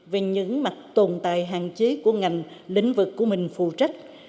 về những mặt tồn tại hạn chế của ngành lĩnh vực của mình phụ trách